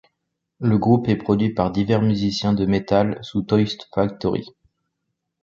Le groupe est produit par divers musiciens de metal sous Toy's Factory.